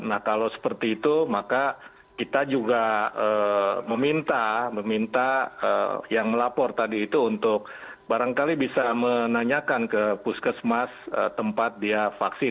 nah kalau seperti itu maka kita juga meminta yang melapor tadi itu untuk barangkali bisa menanyakan ke puskesmas tempat dia vaksin